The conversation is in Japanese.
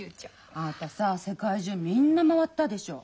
あなたさ世界中みんな回ったでしょ。